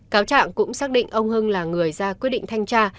cáo trạng cũng xác định ông hưng là người ra quyết định thanh tra